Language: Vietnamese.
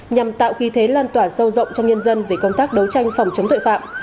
nhằm tạo khí thế lan tỏa sâu rộng cho nhân dân về công tác đấu tranh phòng chống tội phạm